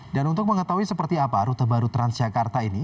untuk mengetahui seperti apa rute baru transjakarta ini